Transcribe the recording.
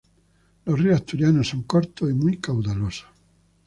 Los ríos asturianos son cortos y muy caudalosos.